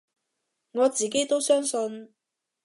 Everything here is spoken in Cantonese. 我自己都相信